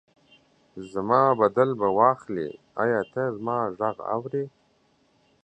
زما بدل به واخلي، ایا ته زما غږ اورې؟